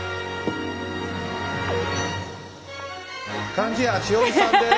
貫地谷しほりさんです。